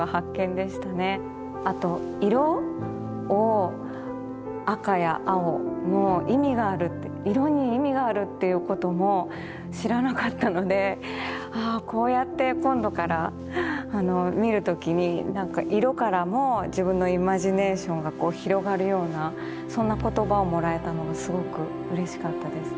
あと色を赤や青の意味がある色に意味があるっていうことも知らなかったのでこうやって今度から見る時に色からも自分のイマジネーションが広がるようなそんな言葉をもらえたのがすごくうれしかったです。